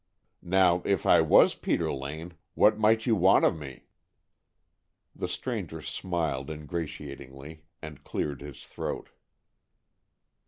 Now, if I was Peter Lane, what might you want of me?" The stranger smiled ingratiatingly and cleared his throat.